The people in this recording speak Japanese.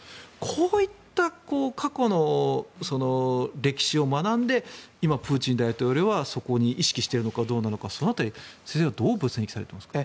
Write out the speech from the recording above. こういった過去の歴史を学んで今、プーチン大統領はそこに意識しているのかどうなのかその辺り先生はどう分析されていますか？